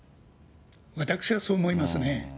私はそう思いますね。